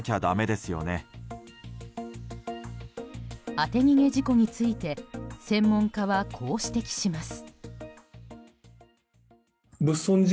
当て逃げ事故について専門家は、こう指摘します。